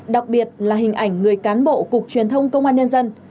đặc biệt là hình ảnh người cán bộ cục truyền thông công an nhân dân